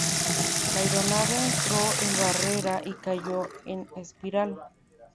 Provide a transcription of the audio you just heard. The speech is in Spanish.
La aeronave entró en barrena y cayó en espiral.